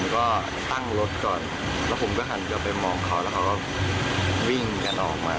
ก็ตั้งรถก่อนและผมก็หั่นไปมองเขาก็วิ่งกันออกมา